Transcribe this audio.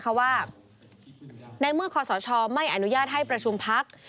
เพราะว่าในเมื่อคอสชไม่อนุญาตให้ประชุมพัก